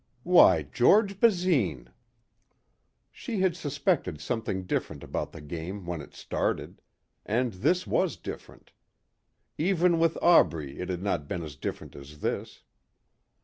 "Why George Basine!" She had suspected something different about the game when it started. And this was different. Even with Aubrey it had not been as different as this.